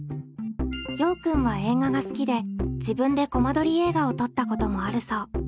ようくんは映画が好きで自分でコマ撮り映画を撮ったこともあるそう。